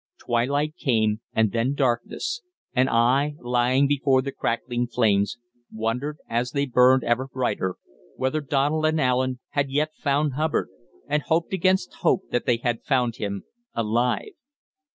Twilight came and then darkness, and I, lying before the crackling flames, wondered, as they burned ever brighter, whether Donald and Allen had yet found Hubbard, and hoped against hope that they had found him alive.